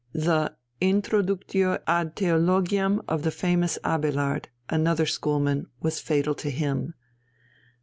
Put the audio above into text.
The Introductio ad Theologiam of the famous Abélard, another schoolman, was fatal to him.